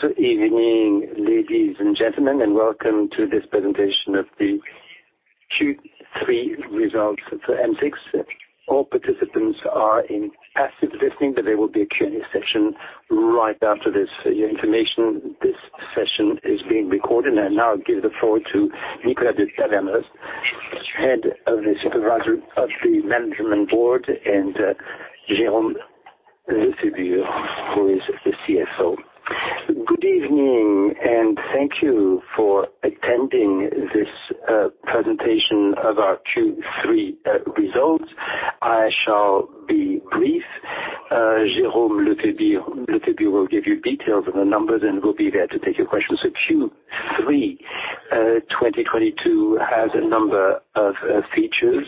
Good evening, ladies and gentlemen, and welcome to this presentation of the Q3 results for M6. All participants are in passive listening, but there will be a Q&A session right after this. For your information, this session is being recorded. Now I give the floor to Nicolas de Tavernost, head of the management board, and Jérôme Lefébure, who is the CFO. Good evening, and thank you for attending this presentation of our Q3 results. I shall be brief. Jérôme Lefébure will give you details of the numbers and will be there to take your questions. Q3 2022 has a number of features.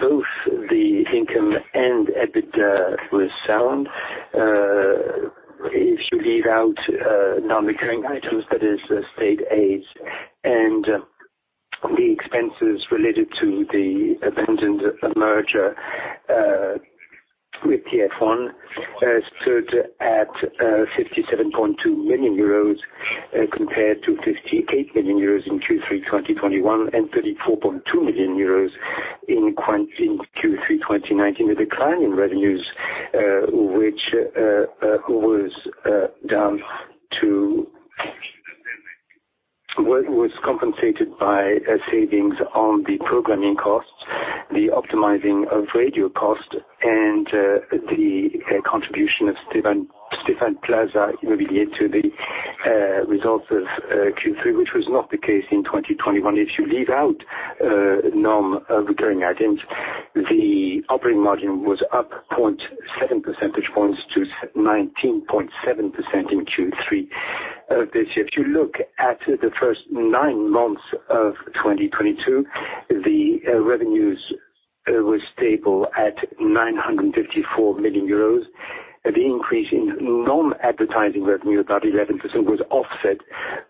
Both the income and EBITDA was sound. If you leave out non-recurring items, that is state aid and the expenses related to the abandoned merger with TF1, stood at 57.2 million euros, compared to 58 million euros in Q3 2021, and 34.2 million euros in Q3 2019. The decline in revenues, which was compensated by a savings on the programming costs, the optimizing of radio costs, and the contribution of Stéphane Plaza Immobilier to the results of Q3, which was not the case in 2021. If you leave out non-recurring items, the operating margin was up 0.7 percentage points to 19.7% in Q3. If you look at the first nine months of 2022, the revenues were stable at 954 million euros. The increase in non-advertising revenue, about 11%, was offset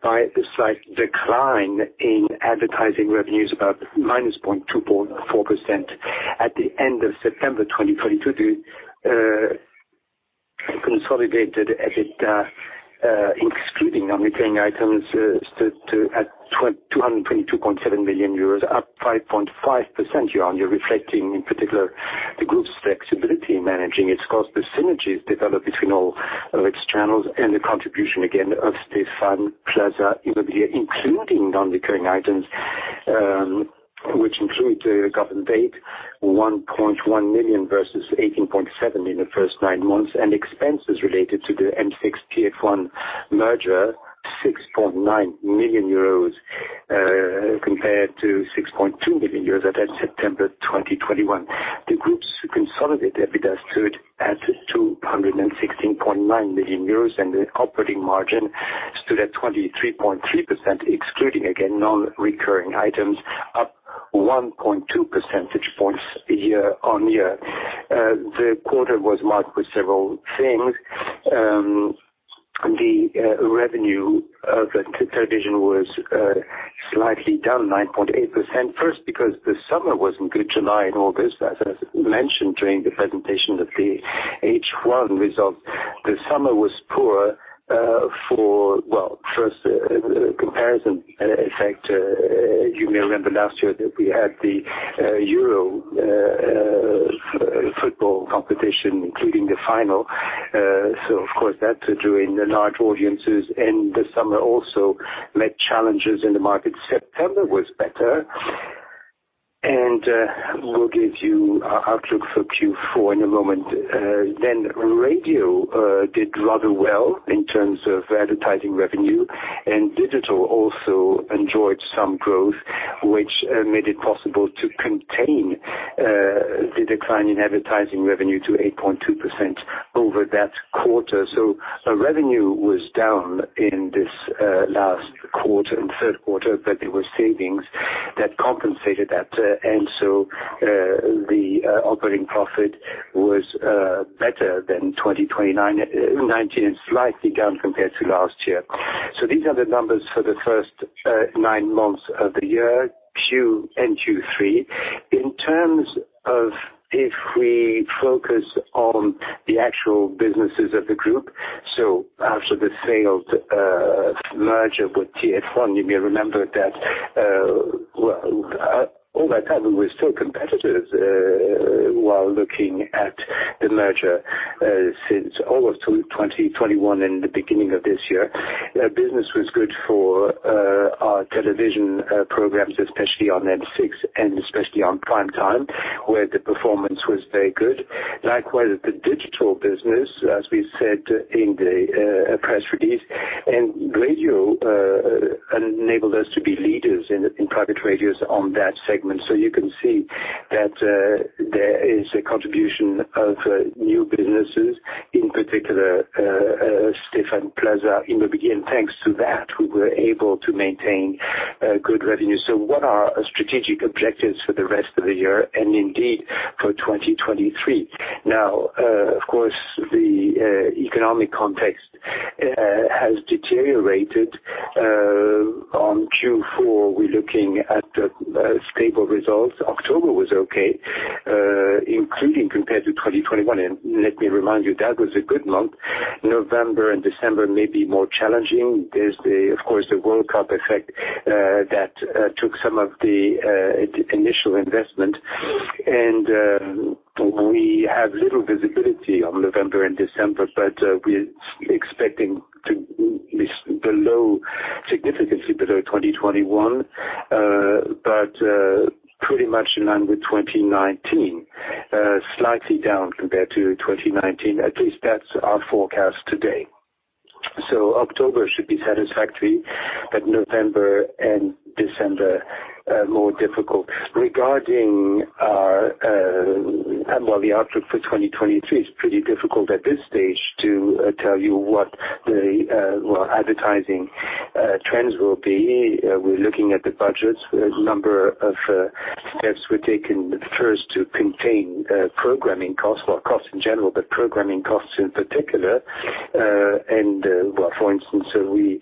by a slight decline in advertising revenues, about -0.24%. At the end of September 2022, the consolidated EBITDA, excluding non-recurring items, stood at 222.7 million euros, up 5.5% year-on-year, reflecting in particular the group's flexibility in managing its cost, the synergies developed between all of its channels and the contribution again of Stéphane Plaza Immobilier, including non-recurring items, which include government aid, 1.1 million versus 18.7 in the first nine months, and expenses related to the M6 TF1 merger, 6.9 million euros, compared to 6.2 million euros at September 2021. The group's consolidated EBITDA stood at 216.9 million euros, and the operating margin stood at 23.3%, excluding again non-recurring items, up 1.2 percentage points year-on-year. The quarter was marked with several things. The revenue of the television was slightly down 9.8%. First, because the summer wasn't good, July and August. As I mentioned during the presentation of the H1 results, the summer was poor. Well, first, comparison effect. You may remember last year that we had the Euro football competition, including the final. So of course, that drew in the large audiences, and the summer also met challenges in the market. September was better. We'll give you our outlook for Q4 in a moment. Then radio did rather well in terms of advertising revenue, and digital also enjoyed some growth, which made it possible to contain the decline in advertising revenue to 8.2% over that quarter. Revenue was down in this last quarter, in third quarter, but there were savings that compensated that. Operating profit was better than 2019. It's slightly down compared to last year. These are the numbers for the first nine months of the year, Q1 and Q3. In terms of if we focus on the actual businesses of the group, after the failed merger with TF1, you may remember that, all that time, we were still competitors while looking at the merger, since all of 2021 and the beginning of this year. Business was good for our television programs, especially on M6 and especially on prime time, where the performance was very good. Likewise, the digital business, as we said in the press release, and radio enabled us to be leaders in private radios on that segment. You can see that there is a contribution of new businesses, in particular, Stéphane Plaza Immobilier. Thanks to that, we were able to maintain good revenue. What are our strategic objectives for the rest of the year and indeed for 2023? Now, of course, the economic context has deteriorated. On Q4, we're looking at stable results. October was okay, including compared to 2021, and let me remind you, that was a good month. November and December may be more challenging. There's, of course, the World Cup effect that took some of the initial investment. We have little visibility on November and December, but we're expecting to be below, significantly below 2021. Pretty much in line with 2019. Slightly down compared to 2019, at least that's our forecast today. October should be satisfactory, but November and December more difficult. Regarding our well, the outlook for 2023, it's pretty difficult at this stage to tell you what the well, advertising trends will be. We're looking at the budgets. A number of steps were taken first to contain programming costs, well, costs in general, but programming costs in particular. For instance, we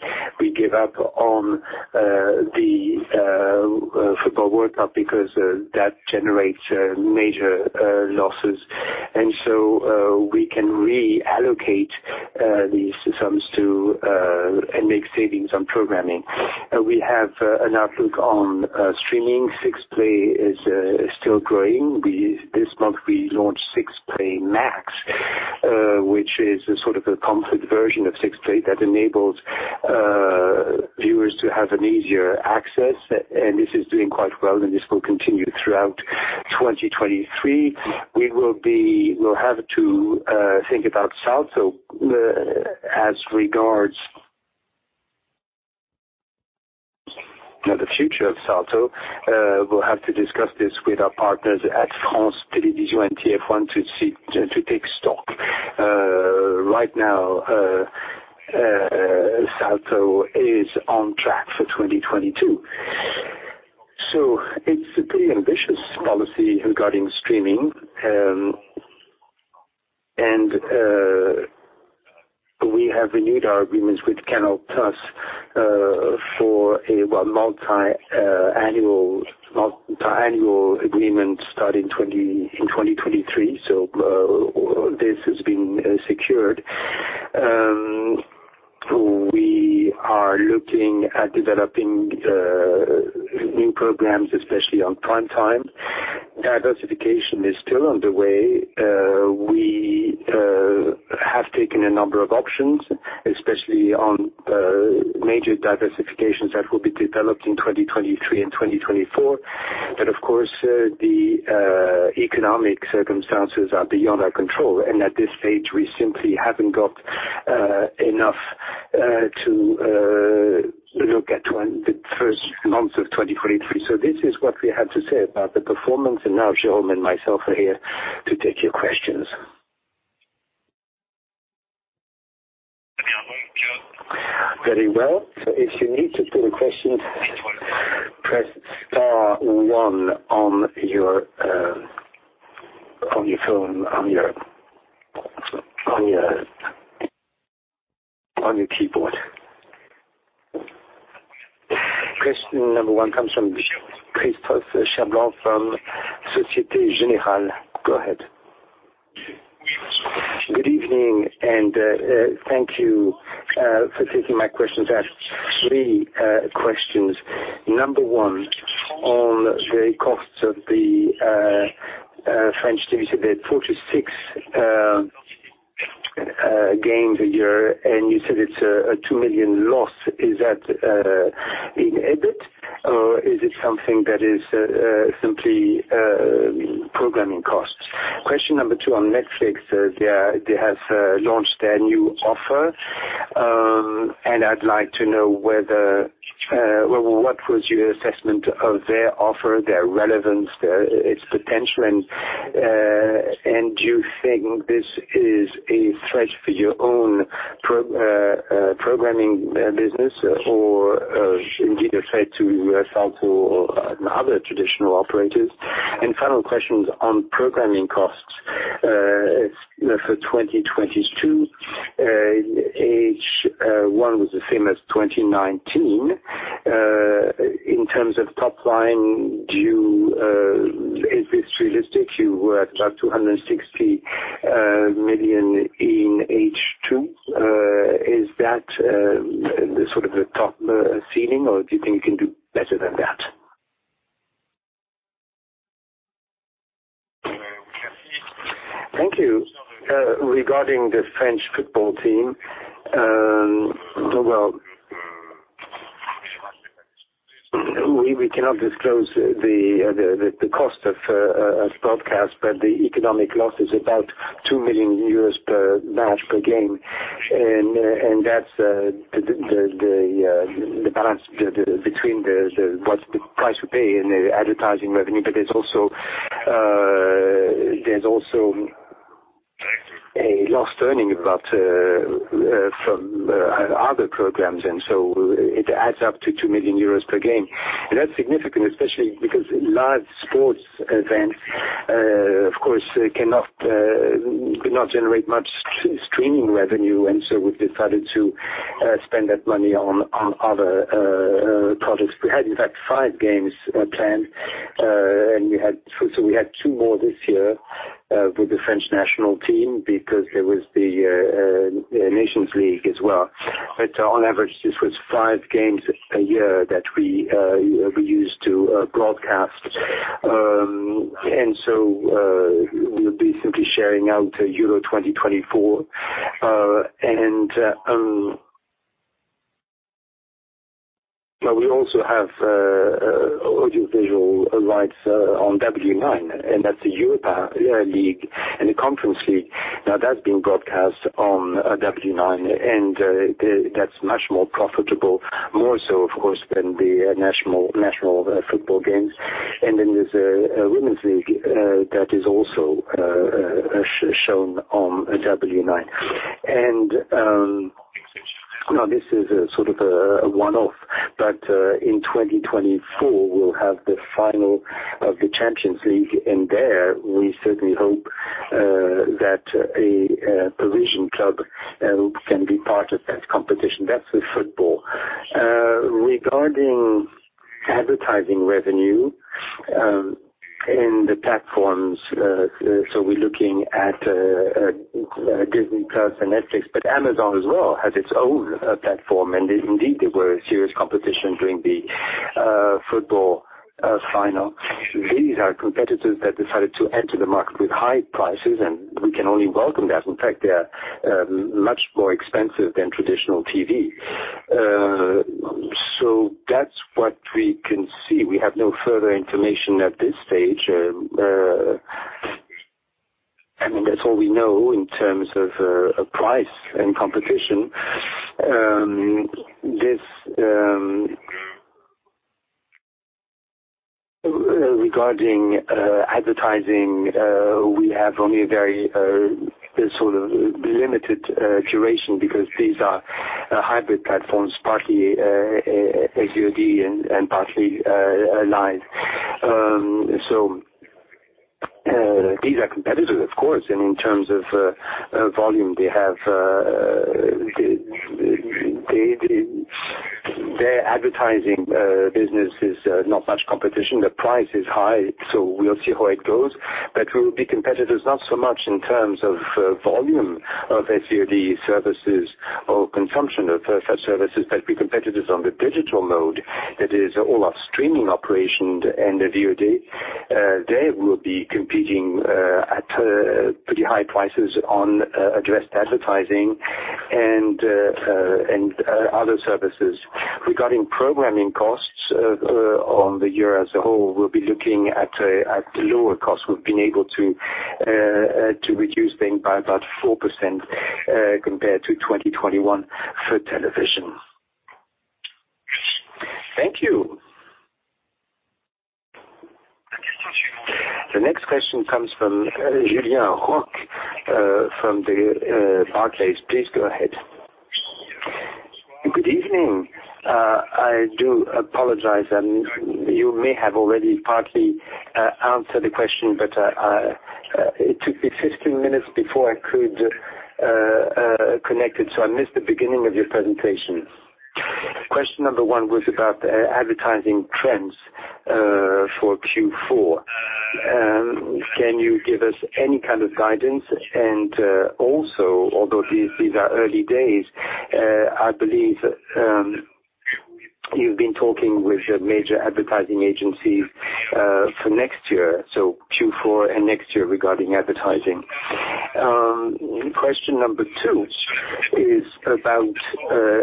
give up on the football World Cup because that generates major losses. We can reallocate these sums to and make savings on programming. We have an outlook on streaming. 6play is still growing. This month we launched 6play max, which is a sort of a comfort version of 6play that enables viewers to have an easier access. This is doing quite well, and this will continue throughout 2023. We'll have to think about Salto as regards now the future of Salto. We'll have to discuss this with our partners at France Télévisions and TF1 to take stock. Right now, Salto is on track for 2022. It's a pretty ambitious policy regarding streaming. We have renewed our agreements with Canal+ for a multi-annual agreement starting in 2023. This has been secured. We are looking at developing new programs, especially on prime time. Diversification is still underway. We have taken a number of options, especially on major diversifications that will be developed in 2023 and 2024. Of course, the economic circumstances are beyond our control, and at this stage, we simply haven't got enough to look at when the first months of 2023. This is what we have to say about the performance, and now Jérôme and myself are here to take your questions. Very well. If you need to put a question, press star one on your phone, on your keyboard. Question number one comes from Christophe Cherblanc from Societe Generale. Go ahead. Good evening, and thank you for taking my questions. I have three questions. Number one, on the costs of the French team, you said they had 46 games a year, and you said it's a 2 million loss. Is that in EBIT, or is it something that is simply programming costs? Question number two on Netflix. They have launched their new offer, and I'd like to know whether, well, what was your assessment of their offer, their relevance, its potential, and do you think this is a threat for your own programming business or, indeed, a threat to Salto or to other traditional operators? Final questions on programming costs, you know, for 2022. H1 was the same as 2019. In terms of top line, is this realistic? You were at about 260 million in H2. Is that the sort of a top ceiling, or do you think you can do better than that? Thank you. Regarding the French football team, well, we cannot disclose the cost of broadcast, but the economic loss is about 2 million euros per match, per game. That's the balance between the price we pay and the advertising revenue. There's also a lost earnings from other programs, so it adds up to 2 million euros per game. That's significant, especially because large sports events, of course, could not generate much streaming revenue, so we've decided to spend that money on other products. We had, in fact, five games planned. So we had two more this year with the French national team because there was the Nations League as well. On average, this was five games a year that we used to broadcast. We'll be simply sharing out Euro 2024. We also have audiovisual rights on W9, and that's the Europa League and the Conference League. Now, that's being broadcast on W9, and that's much more profitable, more so of course than the national football games. Then there's a Women's League that is also shown on W9. Now this is a sort of a one-off, but in 2024 we'll have the final of the Champions League, and there we certainly hope that a Parisian club can be part of that competition. That's with football. Regarding advertising revenue and the platforms, we're looking at Disney+ and Netflix, but Amazon as well has its own platform. Indeed, they were a serious competition during the football final. These are competitors that decided to enter the market with high prices, and we can only welcome that. In fact, they are much more expensive than traditional TV. That's what we can see. We have no further information at this stage. I mean, that's all we know in terms of price and competition. Regarding advertising, we have only a very sort of limited duration because these are hybrid platforms, partly VOD and partly live. These are competitors, of course, and in terms of volume they have. Their advertising business is not much competition. The price is high, so we'll see how it goes. We'll be competitors not so much in terms of volume of VOD services or consumption of such services, but be competitors on the digital mode. That is all our streaming operations and the VOD. They will be competing at pretty high prices on addressed advertising and other services. Regarding programming costs, on the year as a whole, we'll be looking at a lower cost. We've been able to reduce them by about 4% compared to 2021 for television. Thank you. The next question comes from Julien Roch from Barclays. Please go ahead. Good evening. I do apologize, you may have already partly answered the question, but it took me 15 minutes before I could connect it, so I missed the beginning of your presentation. Question number one was about advertising trends for Q4. Can you give us any kind of guidance? Also, although these are early days, I believe you've been talking with major advertising agencies for next year, so Q4 and next year regarding advertising. Question number two is about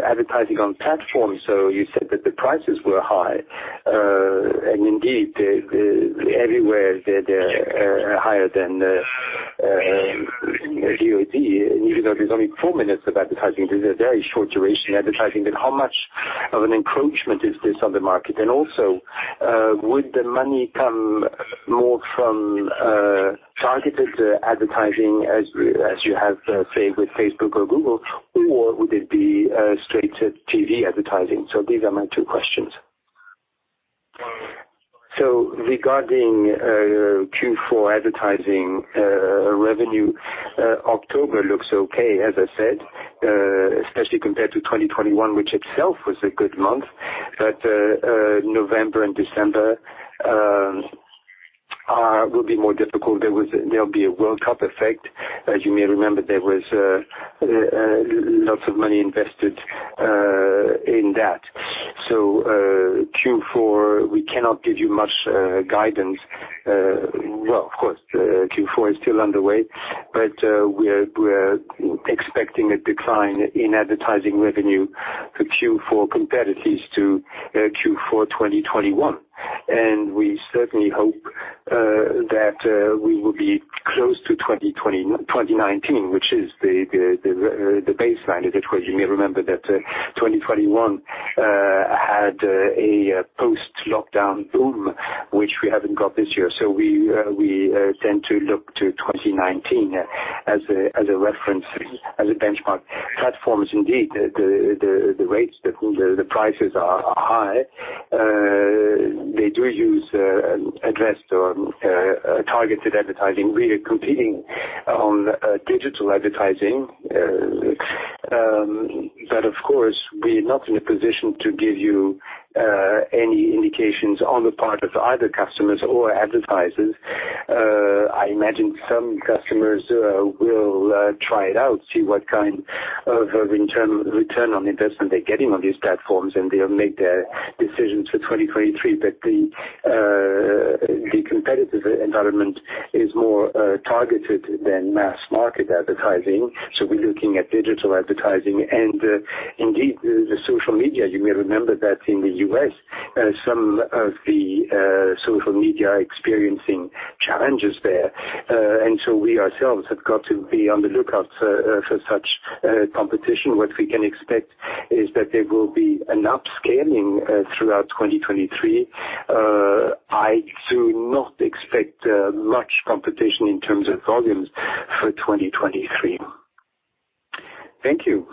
advertising on platforms. You said that the prices were high, and indeed, everywhere they're higher than VOD, even though there's only four minutes of advertising. This is a very short duration advertising. How much of an encroachment is this on the market? Also, would the money come more from targeted advertising as you have, say, with Facebook or Google? Or would it be straight to TV advertising? These are my two questions. Regarding Q4 advertising revenue, October looks okay, as I said, especially compared to 2021, which itself was a good month. November and December will be more difficult. There'll be a World Cup effect. As you may remember, there was lots of money invested in that. Q4, we cannot give you much guidance. Well, of course, Q4 is still underway, but we're expecting a decline in advertising revenue for Q4 compared at least to Q4 2021. We certainly hope that we will be close to 2019, which is the baseline. As it was, you may remember that 2021 had a post-lockdown boom, which we haven't got this year. We tend to look to 2019 as a reference, as a benchmark. Platforms, indeed, the rates, the prices are high. They do use addressed or targeted advertising, really competing on digital advertising, but of course, we're not in a position to give you any indications on the part of either customers or advertisers. I imagine some customers will try it out, see what kind of return on investment they're getting on these platforms, and they'll make their decisions for 2023. The competitive environment is more targeted than mass market advertising, so we're looking at digital advertising and indeed the social media. You may remember that in the U.S., some of the social media are experiencing challenges there. We ourselves have got to be on the lookout for such competition. What we can expect is that there will be an upscaling throughout 2023. I do not expect much competition in terms of volumes for 2023. Thank you.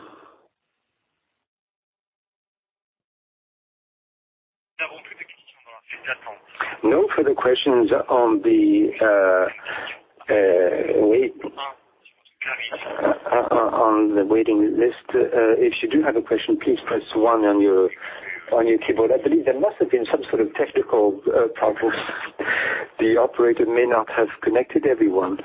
No further questions on the waiting list. If you do have a question, please press one on your keyboard. I believe there must have been some sort of technical problems. The operator may not have connected everyone.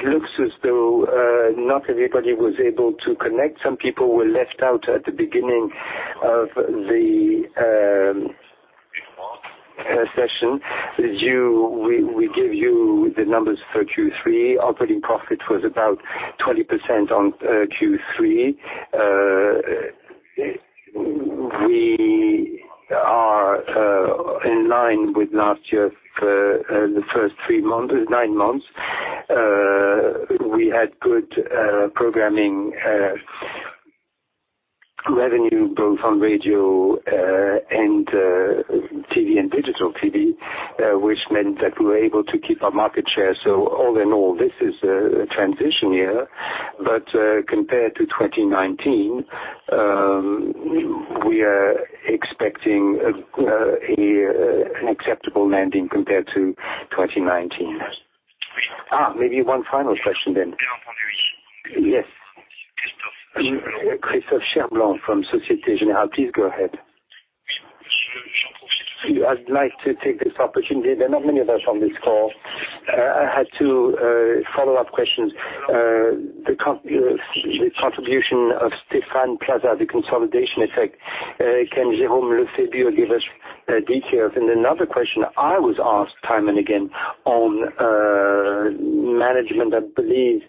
It looks as though not everybody was able to connect. Some people were left out at the beginning of the session. We gave you the numbers for Q3. Operating profit was about 20% on Q3. We are in line with last year for the first nine months. We had good programming revenue both on radio and TV and digital TV, which meant that we were able to keep our market share. All in all, this is a transition year. Compared to 2019, we are expecting an acceptable landing compared to 2019. Maybe one final question then. Yes. Christophe Cherblanc from Societe Generale. Please go ahead. I'd like to take this opportunity. There are not many of us on this call. I had two follow-up questions. The contribution of Stéphane Plaza, the consolidation effect, can Jérôme Lefébure give us detail? Another question I was asked time and again on management, I believe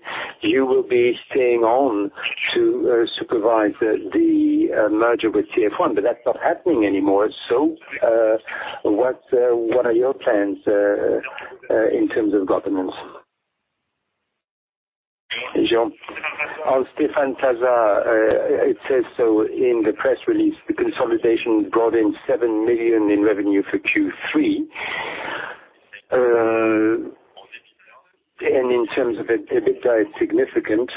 you will be staying on to supervise the merger with TF1, but that's not happening anymore. What are your plans in terms of governance? Jérôme. On Stéphane Plaza, it says so in the press release, the consolidation brought in 7 million in revenue for Q3. In terms of EBITDA, it's significant.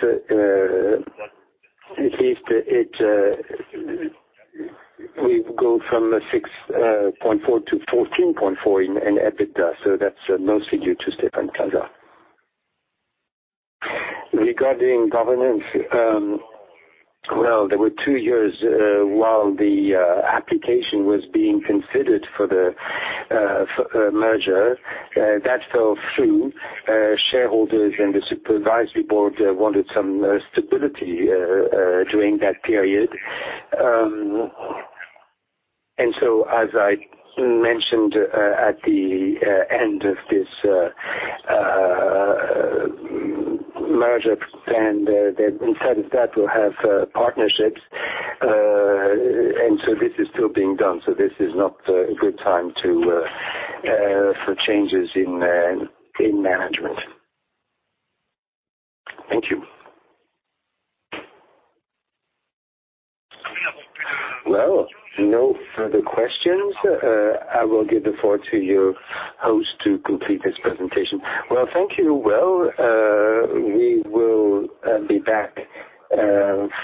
At least we go from 6.4%-14.4% in EBITDA, so that's mostly due to Stéphane Plaza. Regarding governance, well, there were two years while the application was being considered for the merger. That fell through. Shareholders and the supervisory board wanted some stability during that period. Well, as I mentioned, at the end of this merger plan, that instead of that we'll have partnerships. This is still being done, so this is not a good time for changes in management. Thank you. Well, no further questions. I will give the floor to your host to complete this presentation. Well, thank you. Well, we will be back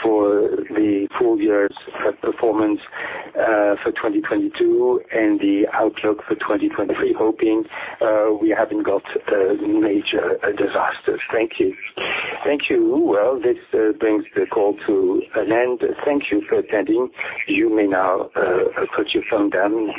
for the full year's performance for 2022 and the outlook for 2023, hoping we haven't got major disasters. Thank you. Thank you. Well, this brings the call to an end. Thank you for attending. You may now put your phone down.